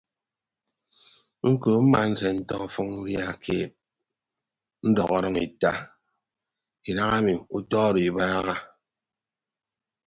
Ñkọ mmaasentọ ọfʌñ udia keed ndọk ọdʌñ ita idaha emi utọ odo ibaaha.